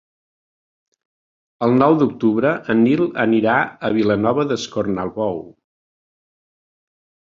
El nou d'octubre en Nil anirà a Vilanova d'Escornalbou.